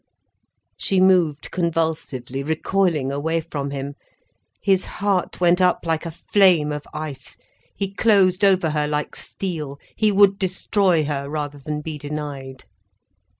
She moved convulsively, recoiling away from him. His heart went up like a flame of ice, he closed over her like steel. He would destroy her rather than be denied.